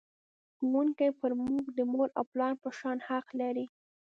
ښوونکی پر موږ د مور او پلار په شان حق لري.